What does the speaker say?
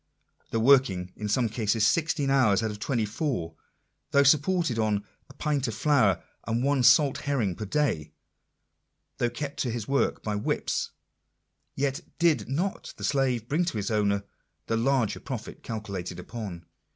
Though worked in some cases sixteen hours Digitized by VjOOQIC 40 INTRODUCTION. out of the twenty four ; though supported on " a pint of flour and one salt herring per day;" though kept to his work by whips, yet did not the slave bring to his owner the large profit calculated upon.